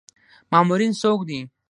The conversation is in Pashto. مامورین څوک دي؟